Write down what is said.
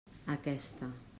Aquesta.